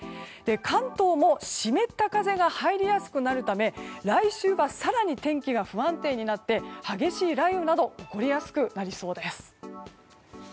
関東も湿った風が入りやすくなるため来週は更に天気が不安定になって激しい雷雨など起こりやすくなりそうです。